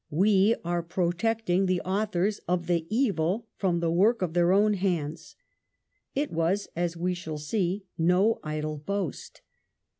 ... We are protecting the authors of the evil from the work of their own hands." It was, as we shall see, no idle boast.